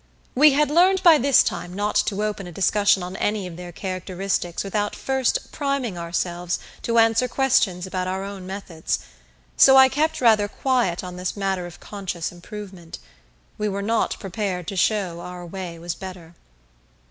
We had learned by this time not to open a discussion on any of their characteristics without first priming ourselves to answer questions about our own methods; so I kept rather quiet on this matter of conscious improvement. We were not prepared to show our way was better.